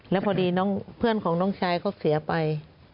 แล้วพอดีเพื่อนของน้องชายเขาเสียไป